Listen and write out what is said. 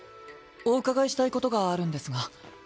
お伺いしたいことがあるんですが。